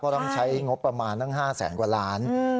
เพราะต้องใช้งบประมาณ๕แสนกว่าล้าน